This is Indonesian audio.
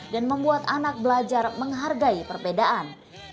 dan membuat anak belajar menghargai perbedaan